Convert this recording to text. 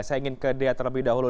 saya ingin ke dea terlebih dahulu